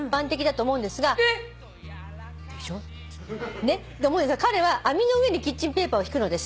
「と思うんですが彼は網の上にキッチンペーパーをひくのです」